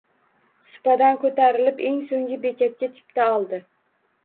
Supadan ko’tarilib, eng so’nggi bekatga chipta oldi.